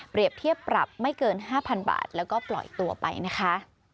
เทียบปรับไม่เกิน๕๐๐๐บาทแล้วก็ปล่อยตัวไปนะคะ